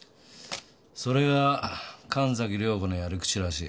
それが神崎涼子のやり口らしい。